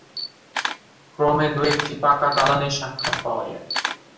ক্রমে দু একটি পাকা দালানের সাক্ষাৎ পাওয়া যায়।